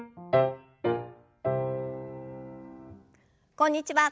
こんにちは。